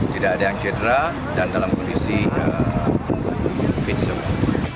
tidak ada yang cedera dan dalam kondisi yang fit semua